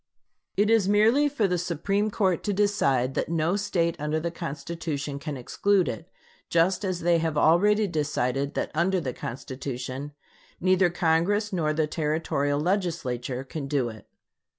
It is merely for the Supreme Court to decide that no State under the Constitution can exclude it, just as they have already decided that under the Constitution neither Congress nor the Territorial Legislature can do it.